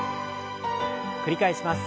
繰り返します。